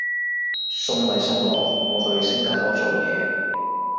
送咪送咯，我去新加坡做嘢